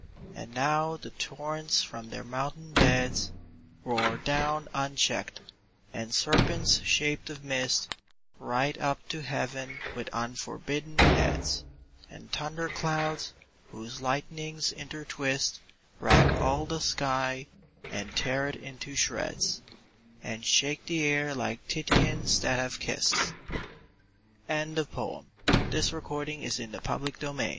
And now the torrents from their mountain beds Roar down uncheck'd; and serpents shaped of mist Writhe up to Heaven with unforbidden heads; And thunder clouds, whose lightnings intertwist, Rack all the sky, and tear it into shreds, And shake the air like Titians that have kiss'd! XIV. IN TUSCANY. Dost thou remembe